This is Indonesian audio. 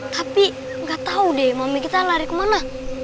tapi gak tau deh mami kita lari kemana